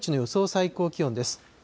最高気温です。